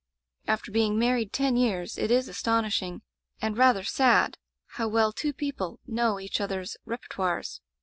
After being married ten years, it is astonishing, and rather sad, how well two people know each other's repertoires.